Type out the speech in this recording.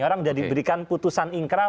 orang sudah diberikan putusan ingkrah